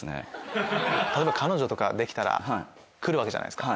例えば彼女とかできたら来るわけじゃないですか。